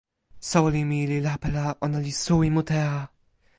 soweli mi li lape la ona li suwi mute a!